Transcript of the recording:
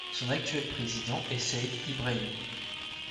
Son actuel président est Said Ibrahimi.